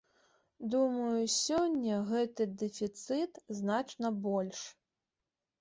Думаю, сёння гэты дэфіцыт значна больш.